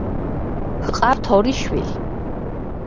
ჰყავთ ორი შვილი.